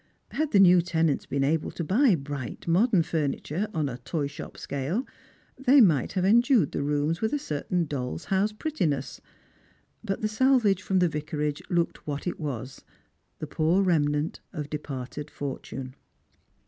Had the new tenants been able to buy bright modern furniture, on a toyshop scale, they might have endued the rooms with a certain doU's house prettiness ; but the salvage from the Vicarage looked what it was, the poor remnant of departed fortune.